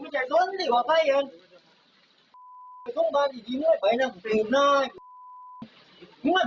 เฮ้ยกล้อง